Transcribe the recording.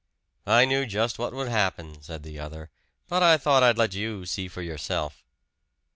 "I knew just what would happen," said the other. "But I thought I'd let you see for yourself."